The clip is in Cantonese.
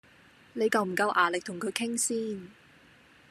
你夠唔夠牙力同佢傾先？